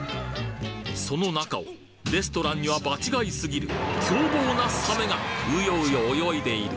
その中をレストランには場違いすぎる凶暴なサメがうようよ泳いでいる。